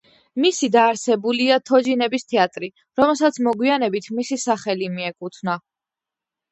მისი დაარსებულია თოჯინების თეატრი, რომელსაც მოგვიანებით მისი სახელი მიეკუთვნა.